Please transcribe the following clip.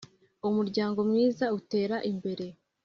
Umuryango mwiza utera imbere